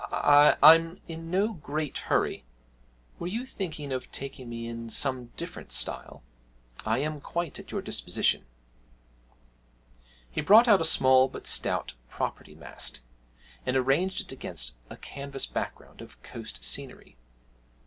I I'm in no great hurry. Were you thinking of taking me in some different style? I am quite at your disposition.' He brought out a small but stout property mast, and arranged it against a canvas background of coast scenery.